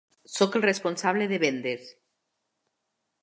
Soc el responsable de vendes.